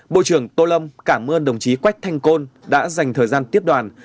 bộ trưởng tô lâm cảm ơn đồng chí quách thanh côn đã dành thời gian tiếp đoàn